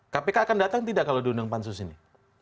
kpk akan datang tidak kalau diundang pansus ini